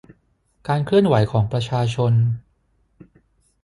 การเคลื่อนไหวของประชาชน